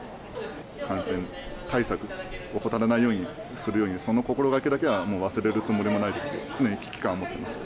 感染対策、怠らないようにするように、その心がけだけはもう忘れるつもりもないです。